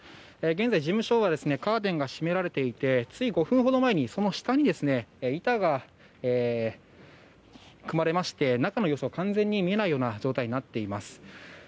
現在事務所はカーテンが閉められていてつい５分ほど前に下に板が組まれまして、中の様子は完全に見えないような状態になっています。